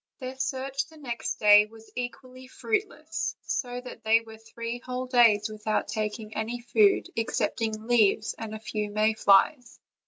Their search the next day was equally fruitless; so that they were three whole days without taking any food excepting leaves, and a few may flies.